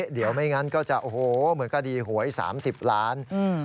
เดี๋ยวไม่งั้นก็จะโอ้โหเหมือนคดีหวย๓๐ล้าน